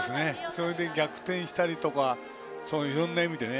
それで逆転したりとかいろんな意味でね。